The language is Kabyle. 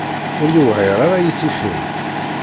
Ur yewɛiṛ ara i tifin.